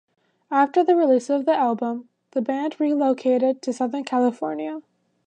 After the release of the album, the band relocated to Southern California.